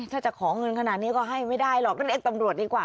ถ้าจะขอเงินขนาดนี้ก็ให้ไม่ได้หรอกเรียกตำรวจดีกว่า